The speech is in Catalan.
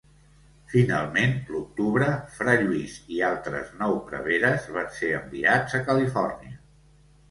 Finalment l'octubre fra Lluís i altres nou preveres van ser enviats a Califòrnia.